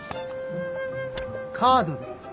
カードで。